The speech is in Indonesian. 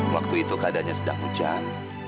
waktu itu keadaannya sedang hujan